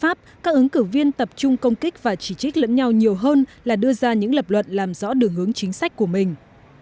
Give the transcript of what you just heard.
theo nhiều cử tri pháp các ứng cử viên tập trung công kích và chỉ trích lẫn nhau nhiều hơn là đưa ra những lập luận làm rõ đường hướng chính sách của mình